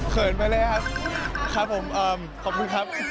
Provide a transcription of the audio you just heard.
เขินไปแล้วครับครับผมขอบคุณครับ